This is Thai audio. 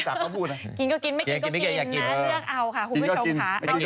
อยากกินนะเลือกเอาคุณผู้ชมค่ะ